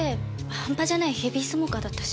はんぱじゃないヘビースモーカーだったし。